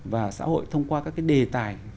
và xã hội thông qua các cái đề tài